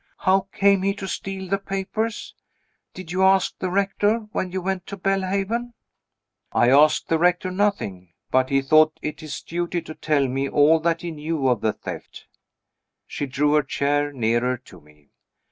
How came he to steal the papers? Did you ask the Rector, when you went to Belhaven?" "I asked the Rector nothing. But he thought it his duty to tell me all that he knew of the theft." She drew her chair nearer to me.